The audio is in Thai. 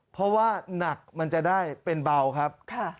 เพราะว่าหนักมันจะได้เป็นเบาครับ